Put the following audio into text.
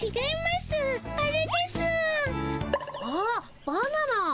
あっバナナ。